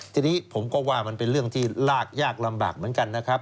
ทีนี้ผมก็ว่ามันเป็นเรื่องที่ลากยากลำบากเหมือนกันนะครับ